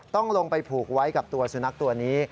ต้องลงไปผูกไว้กับตัวสุนัขตัวนี้